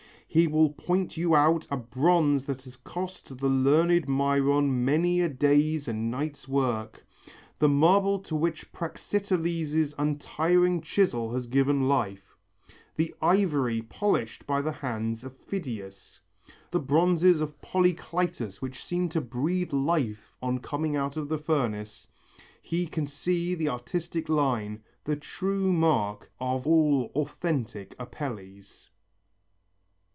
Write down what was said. He will point you out a bronze that has cost the learned Myron many a day's and night's work, the marble to which Praxiteles' untiring chisel has given life, the ivory polished by the hand of Phidias, the bronzes of Polycletus which seem to breathe life on coming out of the furnace, he can see the artistic line, the true mark of all authentic Apelles."